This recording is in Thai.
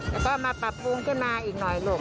แล้วก็มาปรับปรุงขึ้นมาอีกหน่อยลูก